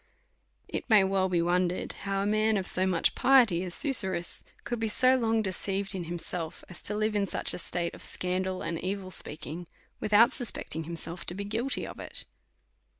It may well be wondered how a man of so much piety as Susurrus could be so long deceiv ed in himself, as to live in such a slate of scandal and evil speaking, without suspecting himself to be guilty of it.